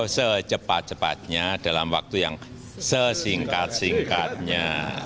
secepat cepatnya dalam waktu yang sesingkat singkatnya